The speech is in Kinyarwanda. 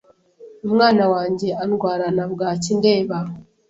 umwana wanjye andwarana bwaki ndeba